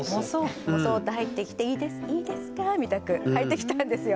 もそっと入ってきて「いいですいいですか？」みたく入ってきたんですよ。